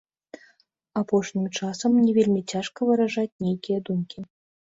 Апошнім часам мне вельмі цяжка выражаць нейкія думкі.